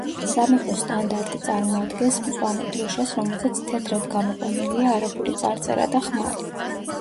სამეფო სტანდარტი წარმოადგენს მწვანე დროშას, რომელზე თეთრად გამოყვანილია არაბული წარწერა და ხმალი.